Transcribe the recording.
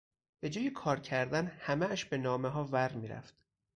به جای کار کردن همهاش به نامهها ور میرفت.